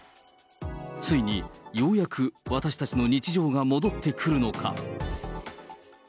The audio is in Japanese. ついに、ようやく、私たちの日常が戻ってくるのか。